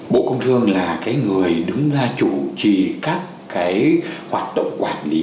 bộ công thương là cái người đứng ra chủ trì các cái hoạt động quản lý